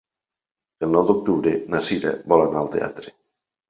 El nou d'octubre na Sira vol anar al teatre.